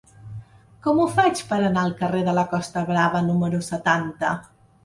Com ho faig per anar al carrer de la Costa Brava número setanta?